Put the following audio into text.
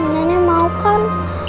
nenek mau kan